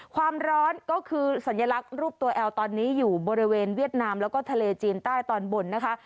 ความร้อนก็คือสัญลักษณ์รูปตัวแอลตอนนี้อยู่บริเวณเวียดนามแล้วก็ทะเลจีนใต้ตอนบนนะคะ